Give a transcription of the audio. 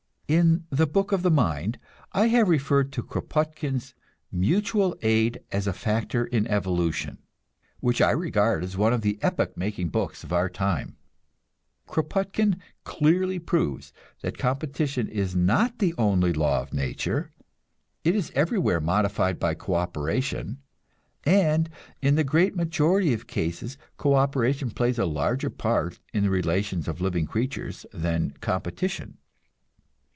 In the Book of the Mind, I have referred to Kropotkin's "Mutual Aid as a Factor in Evolution," which I regard as one of the epoch making books of our time. Kropotkin clearly proves that competition is not the only law of nature, it is everywhere modified by co operation, and in the great majority of cases co operation plays a larger part in the relations of living creatures than competition.